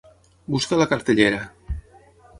Busca la cartellera.